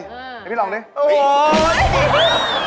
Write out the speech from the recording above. นายพี่ลองนะ